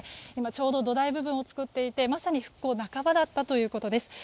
ちょうど土台部分を作っていてまさに復興半ばだったということです。